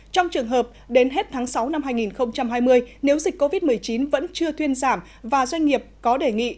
trong trường hợp đến hết tháng sáu năm hai nghìn hai mươi nếu dịch covid một mươi chín vẫn chưa thuyên giảm và doanh nghiệp có đề nghị